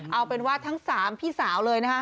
เอาเป็นว่าทั้ง๓พี่สาวเลยนะคะ